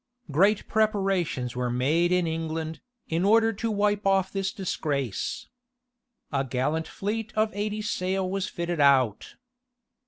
{1653.} Great preparations were made in England, in order to wipe off this disgrace. A gallant fleet of eighty sail was fitted out.